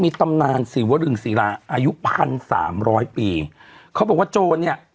มีตำนานศรีวรึงศิราอายุพันสามร้อยปีเขาบอกว่าโจรเนี้ย